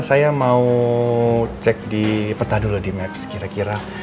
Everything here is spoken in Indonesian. saya mau cek di peta dulu di maps kira kira